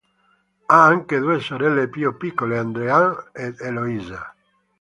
Ha anche due sorelle più piccole, Andrée-Anne ed Eloisa.